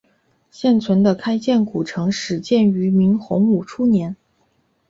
现存的开建古城始建于明洪武初年。